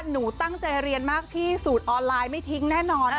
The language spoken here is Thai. หนูตั้งใจเรียนมากพี่สูตรออนไลน์ไม่ทิ้งแน่นอน